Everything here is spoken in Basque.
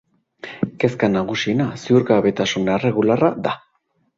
Kezka nagusiena ziurgabetasun erregularra da.